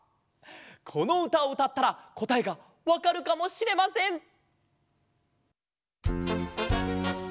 このうたをうたったらこたえがわかるかもしれません。